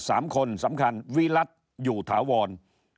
สามคนสำคัญวิรัติอยู่ถาวร